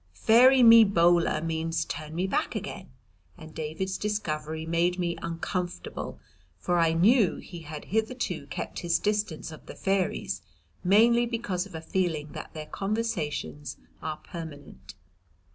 Fairy me bola means "Turn me back again," and David's discovery made me uncomfortable, for I knew he had hitherto kept his distance of the fairies mainly because of a feeling that their conversions are permanent.